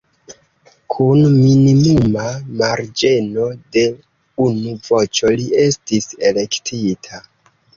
Kun minimuma marĝeno de unu voĉo li estis elektita.